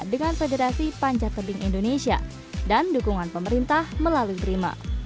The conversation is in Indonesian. dengan federasi panjat tebing indonesia dan dukungan pemerintah melalui prima